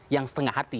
yang setengah hati